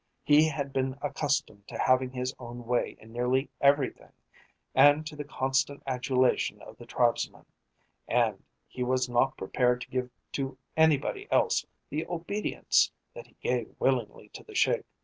He had been accustomed to having his own way in nearly everything, and to the constant adulation of the tribesmen, and he was not prepared to give to anybody else the obedience that he gave willingly to the Sheik.